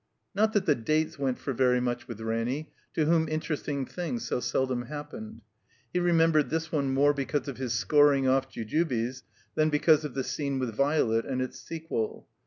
Not that the dates went for very much with Ranny, to whom interesting things so seldom hap pened. He remembered this one more because of his scoring off Jujubes than because of the scene with Violet and its sequel.